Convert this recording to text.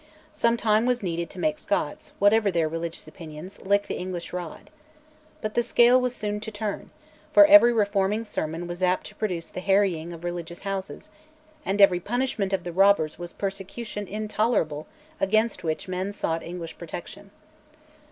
Some time was needed to make Scots, whatever their religious opinions, lick the English rod. But the scale was soon to turn; for every reforming sermon was apt to produce the harrying of religious houses, and every punishment of the robbers was persecution intolerable against which men sought English protection.